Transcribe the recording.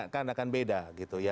kan akan beda gitu